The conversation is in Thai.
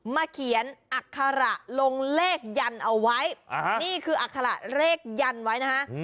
มาเขียนอัฆภาระลงเลขยันต์เอาไว้อ่าฮะนี่คืออัฆภาระเลขยันต์ไว้นะคะ